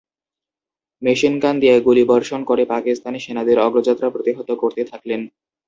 Machine gun দিয়ে গুলিবর্ষণ করে পাকিস্তানি সেনাদের অগ্রযাত্রা প্রতিহত করতে থাকলেন।